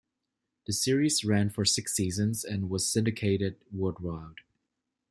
The series ran for six seasons and was syndicated worldwide.